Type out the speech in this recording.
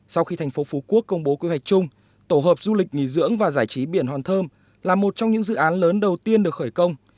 sau khi thành phố phú quốc công bố quy hoạch chung tổ hợp du lịch nghỉ dưỡng và giải trí biển hòn thơm là một trong những dự án lớn đầu tiên được khởi công